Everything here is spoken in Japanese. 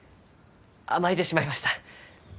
甘えてしまいました。